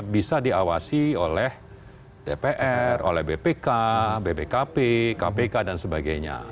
bisa diawasi oleh dpr oleh bpk bpkp kpk dan sebagainya